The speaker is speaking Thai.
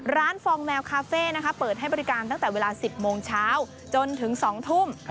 ฟองแมวคาเฟ่เปิดให้บริการตั้งแต่เวลา๑๐โมงเช้าจนถึง๒ทุ่ม